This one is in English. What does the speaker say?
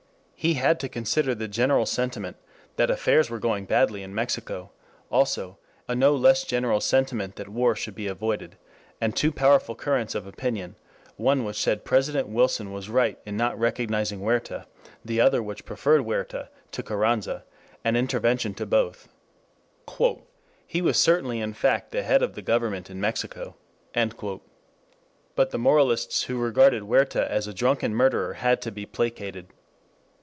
He had to consider the general sentiment that affairs were going badly in Mexico; also, a no less general sentiment that war should be avoided; and two powerful currents of opinion, one of which said President Wilson was right in not recognizing Huerta, the other which preferred Huerta to Carranza, and intervention to both. Huerta was the first sore spot in the record... "He was certainly in fact the head of the Government in Mexico." But the moralists who regarded Huerta as a drunken murderer had to be placated.